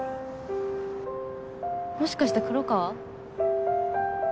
もしかして黒川？